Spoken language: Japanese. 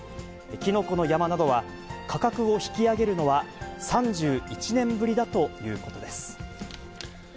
きのこの山などは、価格を引き上げるのは３１年ぶりだということです。